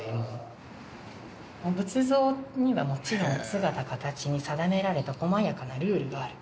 仏像にはもちろん姿形に定められた細やかなルールがある。